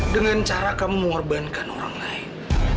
dengan cara kamu mengorbankan orang lain